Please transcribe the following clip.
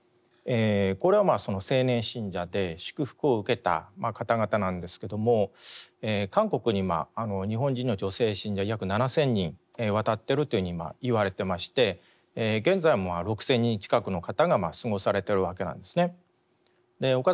これは青年信者で祝福を受けた方々なんですけども韓国に日本人の女性信者約７，０００人渡っていると今言われていまして現在も６，０００人近くの方が過ごされているわけなんですね。